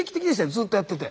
ずっとやってて。